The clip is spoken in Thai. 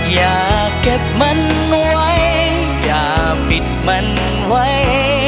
อย่าเก็บมันไว้อย่าปิดมันไว้